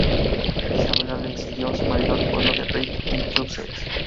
Isabella le cedió a su marido el pueblo de Ripe, en Sussex.